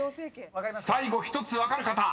［最後１つ分かる方］